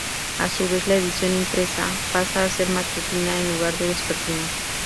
A su vez la edición impresa pasa a ser matutina en lugar de vespertina.